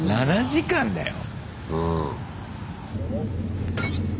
７時間だよ！